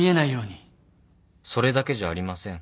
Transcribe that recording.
それだけじゃありません。